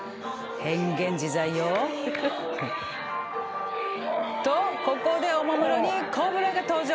変幻自在よ。とここでおもむろにコブラが登場！